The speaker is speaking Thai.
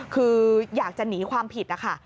คืออยากจะหนีความผิดนะคะ